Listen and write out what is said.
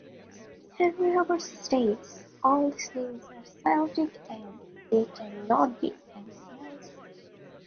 Henri Hubert states "All these names are Celtic, and they cannot be anything else".